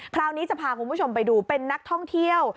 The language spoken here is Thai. คราวนี้จะพาคุณผู้ชมไปดูเป็นนักท่องเที่ยว